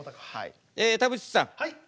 え田渕さん